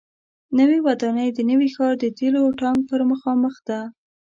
نوې ودانۍ د نوي ښار د تیلو ټانک پر مخامخ ده.